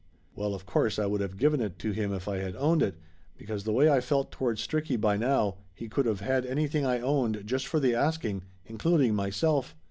Well, of course I would have given it to him if I had owned it, because the way I felt towards Stricky by now, he could of had anything I owned just for the asking, including myself.